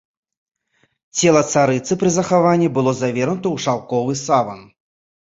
Цела царыцы пры захаванні было завернута ў шаўковы саван.